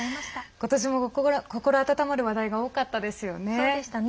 今年も心温まる話題が多かったですよね。